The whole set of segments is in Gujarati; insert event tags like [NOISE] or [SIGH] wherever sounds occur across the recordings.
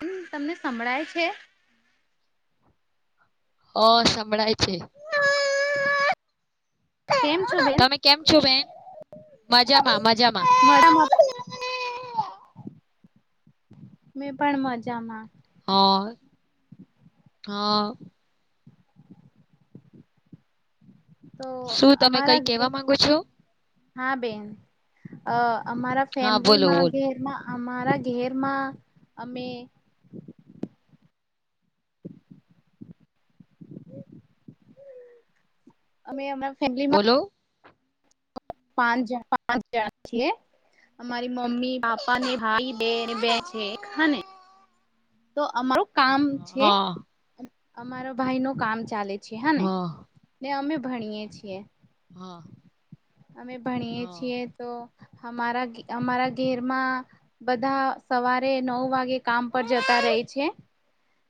હમ તમને સંભળાય છે હ સંભળાય છે કેમ છો બેન? તમે કેમ છો બેન મજામાં મજામાં [UNINTELLIGIBLE] મેં પણ મજામાં હા હા તો શું તમે કઈ અમારા જે કેવા માંગો છો હા બેન અ અમારા હા બોલો ફેમિલીમાં બોલો ઘરમાં અમારા ઘેરમાં અમે અમે એમણા બોલો પાંચ પાંચ જણ છ અમારી મમ્મી પાપા ભાઈ બેન છે હાને તો અમારું કામ છે હા અમારો ભાઈનુ કામ ચાલે છે હાને હા ને અમે ભણીયે છીએ હા અમે ભણીએ હા છીએ તો અરા અમારા ઘેરમાં બધા સવારે નવ વાગે કામ પર જતા રહે છે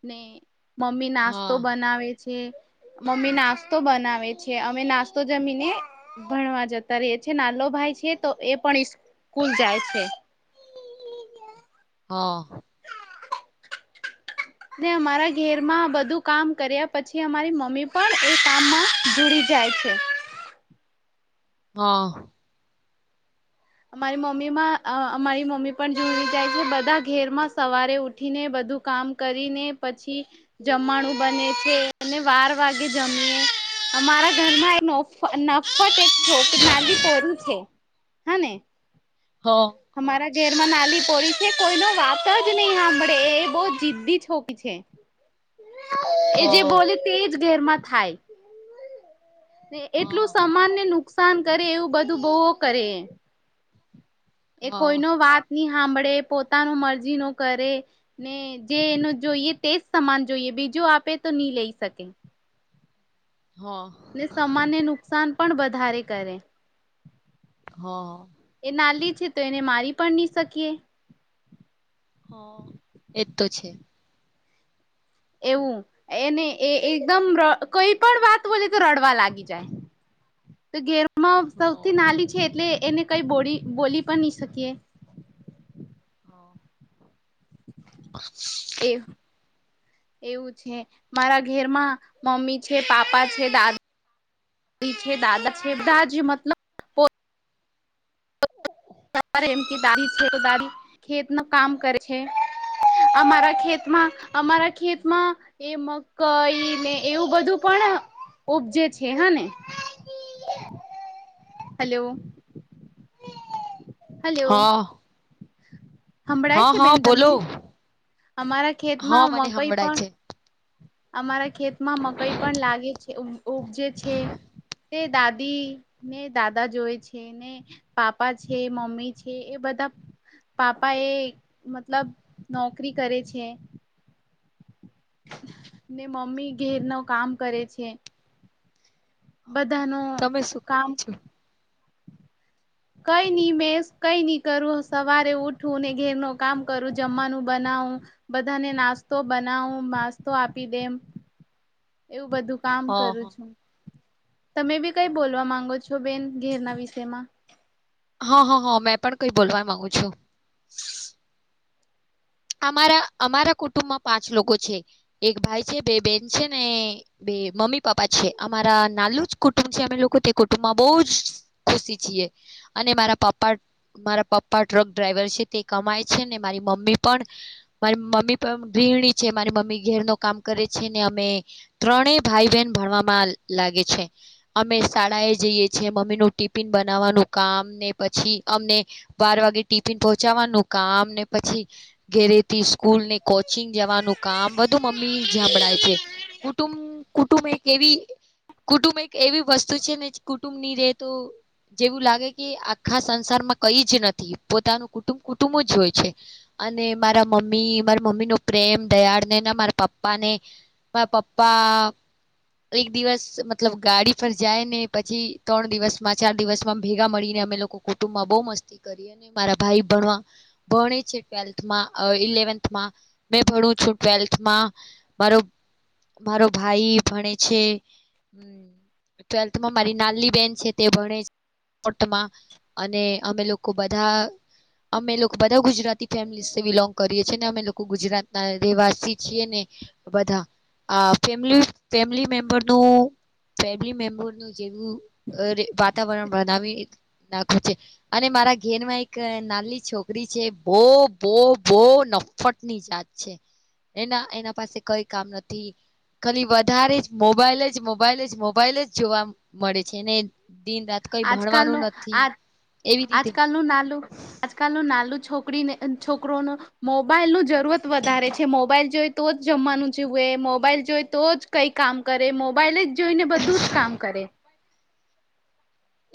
ને મમ્મી નાસ્તો હા બનાવે મમ્મી નાસ્તો બનાવે છે અમે નાસ્તો જમીને ભણવા જતા રહી છે નાલો ભાઈ છે તો એ પણ સ્કૂલ જાય છે હા [UNINTELLIGIBLE] અમારા ઘેર માં બધું કામ કર્યા પછી અમારી મમ્મી પણ એ કામમાં જોડી જાય છે [INAUDIBLE] હા અમારી મમ્મીમાં અમારી મમ્મી પણ જોઈ જાય છે બધા ઘેરમાં સવારે ઉઠીને બધું કામ કરીને પછી જમવાણું બને છે અને બાર વાગે જમીએ અમારા ઘરમાં એ નફત એક છોકરી નાની પરું છે હાને હા હા અમારા ઘેરમાં નાની કોઈ ન વાત જ નહી સાંભળે એ બહુ જિદી છોકરી છે એ જે હા બોલે તેજ ઘરમાં થાય એટલું સમાનને નુકસાન કરે એવું બધું બહુવ કરે એ હા કોઈનુ વાત નહિ સાંભળે પોતાનો મરજીનુ કરે ને જે એનું જોઈએ તેજ સમાન જોઈએ બીજુ જો આપે તો નહી લઈ શકે હા ને સમાનને નુકસાન પણ વધારે કરે હા એ નાલી તો એને મારી પણ નહી શકીએ હા એજ તો છે એવું એને એ એકદમ કઈ પણ વાત બોલી તો રડવા લાગી જાય તો ઘેર હા સૌથી નાની છે એટલે એને કઈ બોલી બોલી પણ નહી શકીએ એવ એવું છે મારા ઘરમાં મમ્મી છે પાપા છે દાદા ડી છે દાદા છે દાજ મતલબ સવા એમ કે દાઢ છે તો દાઢ ખેતનું કામ કરે છે અમારા ખેતમાં અમારા ખેતમાં એ મ કઈ ને એવું બધું પણ ઉપજે છે હા ને હ હલો હા સંંભળાય હા છે હા બેન બોલો તમને અમારા હા ખેતમાં મ મને કોઈ સંભળાય પણ છે અમારા ખેતમાં મકાઈ પણ લાગે છે ઉપજે છે તે દાદી ને દાદા જોય છે ને પાપા છે મમ્મી છે એ બધા પાપા એ મતલબ નોકરી કરે છે [INAUDIBLE] ને મમ્મી ઘેર ન કામ કરે છે બધા ન તમે શું કામ કરો છો કઈ નઈ મે કઈ નઈ કરું સવારે ઉઠ ઠું ને ઘેર ન કામ કરું જમવાનું બનાવું બધાને નાસ્તો બનાવું નાસ્તો આપી દેમ હ એવું બધું કામ કરું છું તમે બી કઈ હા બોલવા માંગો છો છો બેન ઘેરના વિષયમાં હા હા હા મેં પણ કઈ બોલવા માગુ છું અમારા અમારા કુટુંબમાં પાંચ લોકો છે એક ભાઈ છે બે બેન છે ને બે મમ્મી પાપા છે અમારા નાલું જ કુટુંબ છે અમે લોકો તે કુટુંબમાં બહુ જ ખુશી છીએ અને મારા પપ્પા મારા પપ્પા ટ્રક ડ્રાઈવર છે તે કમાય છે અનેને મારી મમ્મી પણ મારી મમ્મી પણ ગૃણી છે મારી મમ્મી ઘેર ન કામ કરે છે ને અમે ત્રણ ભાઈ બહેન ભણવામાં લાગે છે અમે શાળા એ જઈએ છીએ મમ્મી નું ટિફિન બનાવ કામ ને પછી અમને બાર વાગે ટિફિન પહચાવાનું કામ ને પછી ઘેરેથી સ્કૂલ ને કોચિંગ જવાનું કામ બધું મમ્મી સાભળાય છે કુટુંબ કુટુંબ એક એવી કુટુંબ એક એવી વસ્તુ છે ને કુટુંબ ની રહેેતો. જેવું લાગે કે આખા સંસારમાં કઈ જ નથી, પોતાનું કુટુંબ કુટુંબો જ હોય છે. અને મારા મમ્મી, મારા મમ્મી નો પ્રેમ, દયાળને મારા પપ્પા ને. મા પપ્પા. એક દિવસ મતલબ ગાડી પર જાય ને પછી ત્રણ દિવસ માં ચાર દિવસમાં ભેગા મળીને. અમે લોકો કુટુંબમાં બહુ મસ્તી કરી અને મારા ભાઈ ભણવા ભણે છે. થમાં ઇલેવન્થમાં મે ભણું છું ટવેલ્થમાં, મારો મારો ભાઈ ભણે છે. ટ્વેલ્થમાં મારી નાલી બેન છે તે ભણે છે. ટમાં અને અમે લોકો બધા અમે લોકો બધા ગુજરાતી ફેમલી બિલોંગ કરીએ છીએ ને અમે લોકો ગુજરાત ના રહેવાસી છીએ ને બધા. આ ફેમિલી ફેમિલી મેમ્બરનું, ફેમિલી મેમ્બરનું. જેવું વાતાવરણ. બનાવી નાખું છે અને મારા ઘેનમાં એક નાની છોકરી છે. બહ બહ બહ નફટ ની જાત છે. એના એના પાસે કઈ કામ નથી. ખાલી વધારે જ મોબાઈલ જ મોબાઈલ જ મોબાઈલ જ જોવા મળે છે ને. દિન રાત કઈ ભણવાનું નથી. એવી રીતે અજ કાલ નું નાનું આજ કાલનું નાનું છોક છો છોકરો મોબાઈલ ન જરૂરત વધારે છે, મોબાઈલ જોઈ તો જ જમવાનું જેવું એ. મોબાઈલ જોઈ તો જ કઈ કામ કરે મોબાઈલ જ જોઈને બધું જ કામ કરે.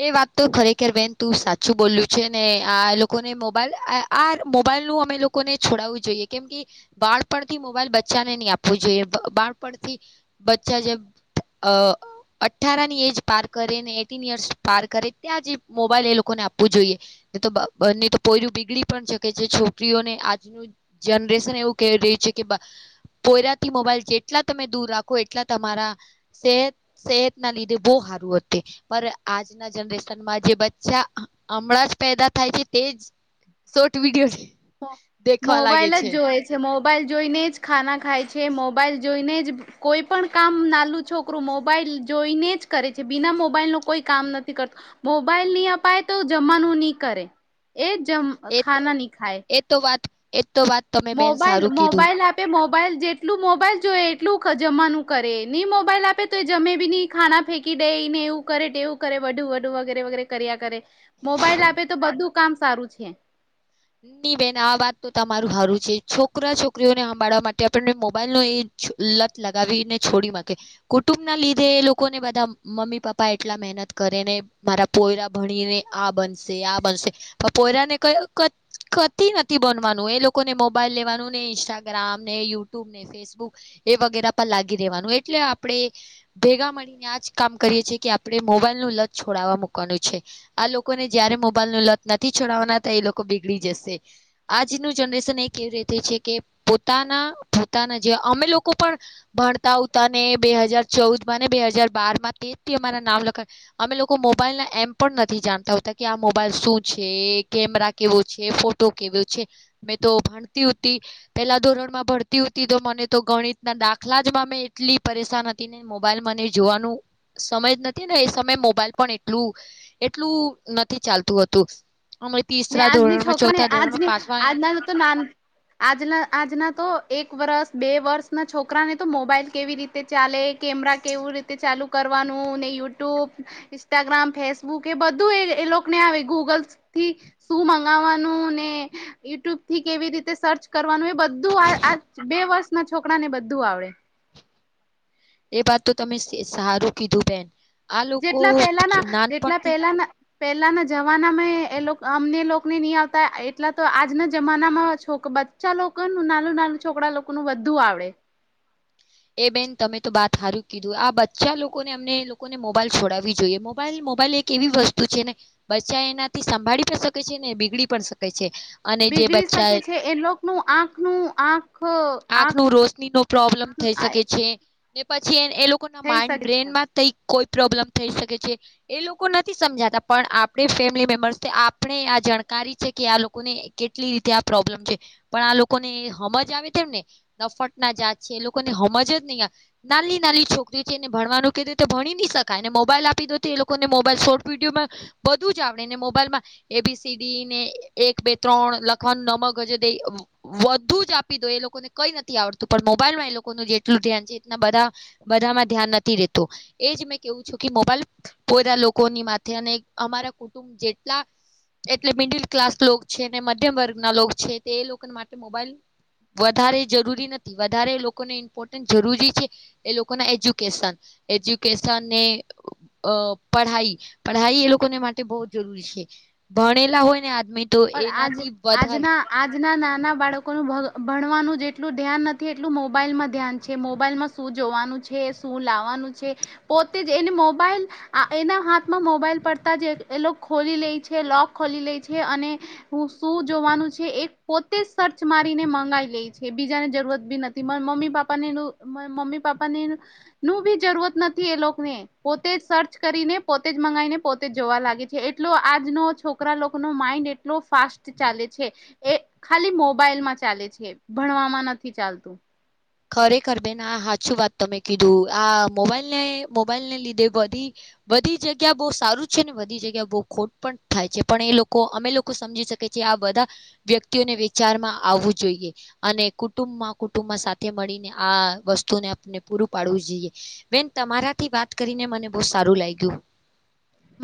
એ વાત તો ખરેખર બેન તું સાચું બોલું છે ને આ લોકોને મોબાઈલ આ મોબલ મોબાઈલ નું અમે લોકોને છોડાવવું જોઈએ કેમ કે બાળપણ થી મોબાઈલ બચ્ચાને નહી આપવું જોઈએ બાળ બચ્ચા જે અઠાર ની એજ પાર કરીને એટી યર્સ. પાર કરે ત્યાં જ મોબાઈલ એ લોકોને આપવું જોઈએ, તો બંને તો પોયરું બીગડી પણ શકે છે. છોકરીઓને આજનું જનરેશન એવું ક રહી છે કે. પોયરાથી મોબાઈલ જેટલા તમે દૂર રાખો એટલા તમારા સ સેહતના લીધે બહુ. સારું પણ. આજના જનરેશનમાં જે બચ્ચા હમણાં જ પેદા થાય છે તેજ. સોટ વીડીયો. મોબાઈલ જ જોએ છે, મોબાઈલ જોઈને જ ખાના ખાય છે મોબાઈલ જોઈને જ. કોઈ પણ કામ નાલું છોકરું મોબાઈલ જોઈને જ કરે છે બિના મોબાઈલ નું કોઈ કામ નથી. મોબાઈલ નહી અપાય તો જમાનું નહી કરે એ. જ એ તો ખાાના ન ખાાય. એ તો વાત. તો વાત તમે બેન મોબાઈલ સારું કીધું મોબાઈલ એપે મોબ મોબાઈલ જેટલું મોબાઈલ જોએ એટલું જમાવાનું કરે, નહી મોબાઈલ આપે તો એ જમે બી નહી ખાના ફેંકી. દેય એવું કરે એવું કરે વું વડું વગેરે વગેરે કર્યા કરે, મોબાઈલ આપે તો બધું કામ સારું. સારું છે. ની બેન આ વાત તો તમારું સારું છે છોકરા છોકરીઓને સાંભાળવા માટે આપણને મોબાઈલ ન એ. લત લગાવીને છોડી માકે કુટુંબ ના લીધે એ લોકોને બધા મમ્મી પપ્પા એટલા મા મદદ કરીને મારા પોયરા ભણીને આ બનશે આ બનશે પણ પોયરાને કઈ કતી નથી બનવાનું એ લોકો ને મોબાઈલ લેવાનું ને ઇન્સ્ટાગ્રામ, ને યુટ્યુબ, ને ફેસબુક. એ વગેરા પર લાગી દેવાનું એટલે આપણેે ભેગા મળીને આજ કામ કરીએ છીએ કે આપણે મો મોબાઈલ નું લત છોડવા મૂકવાનું છે, આ લોકોને જયારે મોબાઈલ નું લત નથી છોડવાના ત એ લોકો. જ આજનું જનરેશન એ કેવી રીતે છે કે પોતાના પોતાના જે અમ અમે લોકો પણ ભણતા ઉતાને બે હાજાર ચૌદ માં ને બે હાજાર બાર માં તેથી અમારા નામ લખા અમે લોકો મોબાઈલ ના એમ પણ નથી જાણતા હોતા કે આ મોબાઈલ શું છે, કેમેરા કેવું. છે ફોટો કેવ્યો છે મેં તો ભણતી હતી પેલા ધોરણ માં ભણતી હતી તો મને તો. ગણિત ના દાખલા જ માં મેં એટલી પરેશાન હતી ને મોબાઈલમાંને જોવાનું સમયજ નથી ને. સમ મોબાઈલ પણ એટલું એટલું નથી ચાલતું હતું અમ ને તસરા. આજની છોકરાને આજની આજના તો નાન આજના આજના. તો એક વર્સ બે વર્ષ ના છોકરા ને તો મોબાઈલ કેવી રીતે ચાલે. કેમરા કેવું રીતે ચાલુ. કરવાનું ને યુટ્યુબ ઇન્સ્ટાગ્રામ ફેસબુક એ બધું એ એ લોકોને આવે ગૂગલ થી. શું મંગાવવાનું ને યુટ્યુબ થી કેવી રીતે સર્ચ કરવાનું એ બધું. બે વર્ષ ના છોકરા ને બધું આવડે. એ વાત તો તમે સારું કીધું બેન. આ લોકો જેટલા પેલાના જેટલા નાનપણથી પેલાના. પેલાના જમાના માં એ અમને લોકોને નહી આવતા એટલા તો આજના જમાના માં છોકરા. બચ્ચા લોકોનું નાલુ નાલુ છોકરા લોકો ન બધુ આવડે. એ બેન તમે તો બાત સારું કીધું આ બચ્ચા લોકોને અમને લોકોને મોબાઈલ છોડાવવી જોઈએ મોબાઈલ. મોબાઈલ એક એવી વસ્તુ છે ને બચ્ચા એનાથી સંભાળી પણ શકે છે ને બીગડી પણ શકે છે. અને જે બીગડી બચ્ચા શકે છે એ લોકોનું આંખ નું આંખ. આંખ ન રોશની નો પ્રોબ્લમ થઈ શકે છે ને પછી. એ લોકો ના થઈ માઇન્ડ શકે છે બ્રેનમાં થ કોઈ. પ્રોબ્લેમ થઈ શકે છે એ લોકો નથી સમજાતા પણ આપણે ફેમિલી મેમ્બર્સ આપણે આ જાણકાર. સારી છે કે આ લોકોને કેટલી રીતે આ પ્રોબ્લેમ છે પણ આ લોકોને સમજ આવે. તેમને નફટ ના જાત છે એ લોકોને સમજ જ નહીં નાલી નાલી છોકરીઓ છે એને ભણવાનું ક. ભણી ન શકાય અને મોબાઈલ આપી દો એ લોકોને મોબાઈલ શોર્ટ વિડીયોમાં બધું જ આવડે ને મોબાઈલમાં એ બી સીડી ને એક બે ત્રણ લખવાનું નમક હજ દ વધુ જ આપી દો એ લોકો લોકોને કઈ નથી આવડતું પણ મોબાઈલમાં એ લોકોનું જેટલું ધ્યાન છે એ બધા બધામાં ધ્યાન નથી રેતું એજ મેં કેવું છું કે મોબાઈલ પોદા લોકોની માથે અને અમારા કુટુંબ જેટલા એટલે મિડલ ક્લાસ છે ને મધ્યમ વર્ગ ના લો છે તે એ લોકોને માટે મોબાઈલ વધારે જરૂરી નથી વધારે લોકોને ઇમ્પોર્ટન્ટ જરૂરી છે એ લોકોના એજ્યુકેશન એજ્યુકેશન ને અ પઢાઈ પઢાઈ એ લોકોને માટે બહુ જ જરૂરી છે ભણેલા હોય ને આ પણ આજ આજના આજના નાના બાળકોનું ભગ ભણવાનું જેટલું ધ્યાન નથી એટલું મોબાઈલમાં ધ્યાન છે મોબાઈલમાં શું જોવાનું છે શું લાવવાનું પોતે જ એને મોબાઈલ એના હાથમાં મોબાઈલ પડતા જ ખોલી લે છે લોક ખોલી લે છે અને હું શું જોવાનું છે એ પોતે જ સર્ચ મારીને મંગાવી લે છે બીજાને જરૂરત બી નથી મમ્મી પાપા મમ્મી પાપા નું બી જરૂરત નથી એ લોકોને પોતે જ સર્ચ કરીને પોતે જ મંગાવને પોતે જ જોવા લાગે છે એટલો આજનો છોકરા લોકોનો માઇન્ડ એટલો ફાસ્ટ ચાલે છે એ ખાલી મોબાઈલમાં ચાલે છે ભણવામાં નથી ચાલતું ખરેખર બેન આ હાચું વાત તમે કીધું આ મોબાઈલને મોબાઈલ ને લીધે બધી બધી જગ્યા બહુ સારું છે ને બધી જગ્યા બહુ ખોટ પણ થાય છે પણ એ લોકો અમે લોકો સમજી શકે આ બધા વ્યક્તિઓને વિચારમાં આવવું જોઈએ અને કુટુંબમાં કુટુંબમાં મળીને આ વસ્તુને આપને પૂરું પાડવું જોઈએ બેન તમારાથી વાત કરીને મને બ સારું લાગ્યું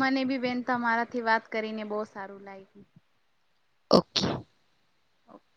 મને બી બેન તમારાથી વાત કરીને બહ સારું લાગ્યું ઓકે. ઓકે